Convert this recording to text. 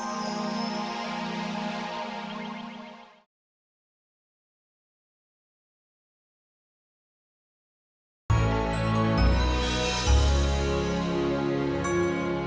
aku bisa menghancurkan pajajaran dari dalam